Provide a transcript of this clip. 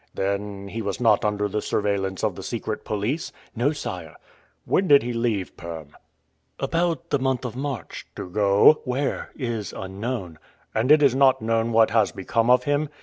"Then he was not under the surveillance of the secret police?" "No, sire." "When did he leave Perm?" "About the month of March?" "To go...?" "Where, is unknown." "And it is not known what has become of him?"